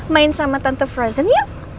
main sama tante frozen ya